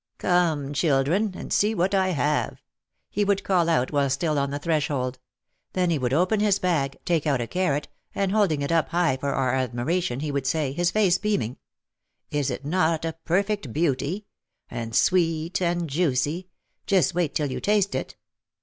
"Come, children, and see what I have," he would call out while still on the threshold. Then he would open his bag, take out a carrot, and holding it up high for our admiration, he would say, his face beaming, "Is it not a perfect beauty? And sweet and juicy! Just wait till you taste it!"